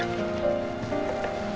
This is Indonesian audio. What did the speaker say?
tuh tuh tuh